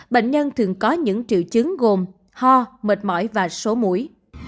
bệnh nhân thường có những triệu chứng gồm ho mệt mỏi và số mũi